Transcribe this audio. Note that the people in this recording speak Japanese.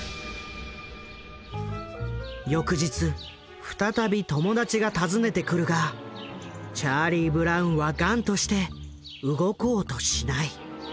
翌日再び友達が訪ねてくるがチャーリー・ブラウンは頑として動こうとしない。